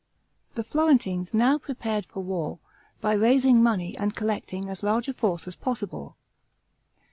The Florentines now prepared for war, by raising money and collecting as large a force as possible.